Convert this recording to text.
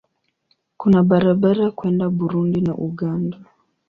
Kuna barabara kwenda Burundi na Uganda.